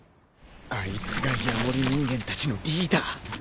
あいつがヤモリ人間たちのリーダー。